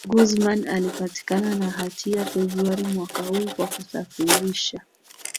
Guzman alipatikana na hatia Februari mwaka huu kwa kusafirisha